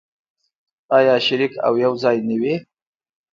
آیا شریک او یوځای نه وي؟